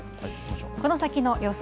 この先の予想